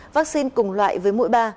vaccine cùng loại với mũi ba